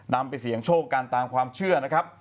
นำไปเสี่ยงโชคกันตามความเชื่อนะครับ